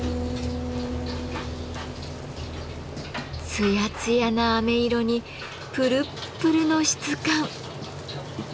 ツヤツヤなあめ色にプルップルの質感。